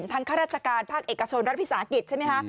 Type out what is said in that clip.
ทั้งข้าราชการภาคเอกชนรัฐภิกษาอังกฤษใช่ไหมคะ